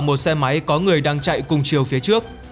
một xe máy có người đang chạy cùng chiều phía trước